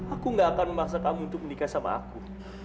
aku gak akan memaksa kamu untuk menikah sama aku